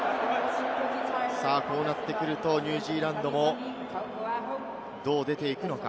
こうなってくるとニュージーランドもどう出ていくのか。